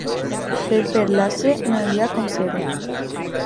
Per fer l'ase no hi ha com ser-ho.